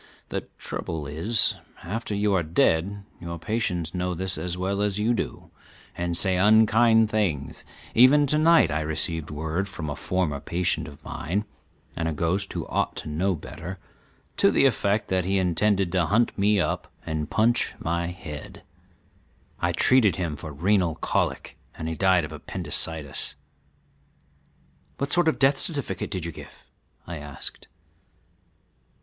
The trouble is, after you are dead your patients know this as well as you do and say unkind things; even to night I received word from a former patient of mine, and a ghost who ought to know better, to the effect that he intended to hunt me up and punch my head. I treated him for renal colic and he died of appendicitis." "What sort of a death certificate did you give?" I asked.